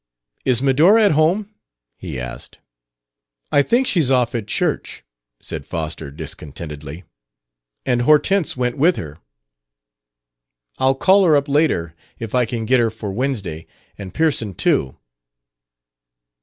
"Is Medora at home?" he asked. "I think she's off at church," said Foster discontentedly. "And Hortense went with her." "I'll call her up later. If I can get her for Wednesday and Pearson too...."